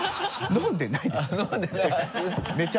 飲んでない？